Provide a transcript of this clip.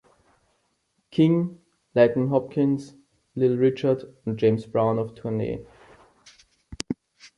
King, Lightnin’ Hopkins, Little Richard und James Brown auf Tournee.